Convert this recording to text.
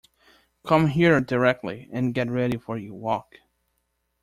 Come here directly, and get ready for your walk!